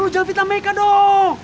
lu jangan fitnah meka dong